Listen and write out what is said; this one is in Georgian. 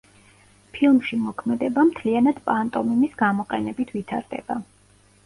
ფილმში მოქმედება მთლიანად პანტომიმის გამოყენებით ვითარდება.